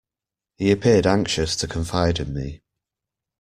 He appeared anxious to confide in me.